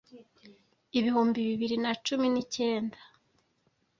ibihumbi bibiri na cumi nicyenda